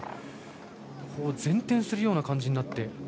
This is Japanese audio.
前転するような感じになって。